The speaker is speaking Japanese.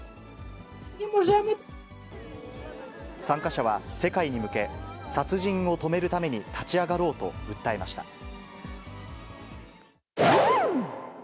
参加者は、世界に向け、殺人を止めるために立ち上がろうと訴えました。